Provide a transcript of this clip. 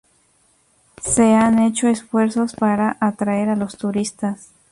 Se han hecho esfuerzos para atraer a los turistas.